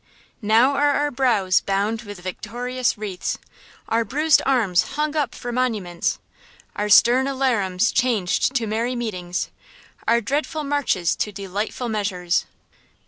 Now are our brows bound with victorious wreaths, Our bruised arms hung up for monuments; Our stern alarums changed to merry meetings, Our dreadful marches to delightful measures.